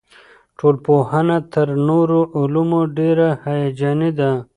ټولنپوهنه تر نورو علومو ډېره هیجاني ده.